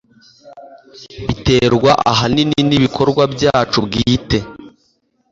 biterwa ahanini n'ibikorwa byacu bwite